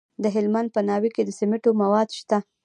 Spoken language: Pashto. د هلمند په ناوې کې د سمنټو مواد شته.